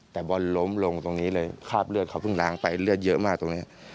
แต่บอลล้มลงตรงนี้เลยคราบเลือดเขาเพิ่งล้างไปเลือดเยอะมากตรงนี้